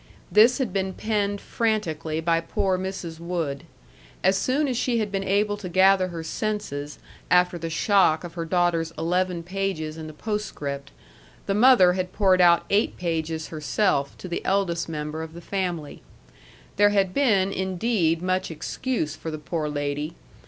This had been penned frantically by poor Mrs. Wood. As soon as she had been able to gather her senses after the shock of her daughter's eleven pages and the postscript, the mother had poured out eight pages herself to the eldest member of the family. There had been, indeed, much excuse for the poor lady.